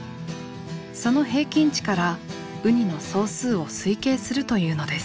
その平均値からウニの総数を推計するというのです。